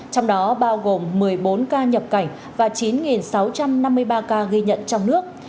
trong đó bao gồm một mươi bốn ca nhập cảnh và chín sáu trăm năm mươi ba ca ghi nhận trong nước